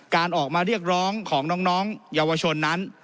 การออกมาเรียกร้องของน้องเยาวชนนั้น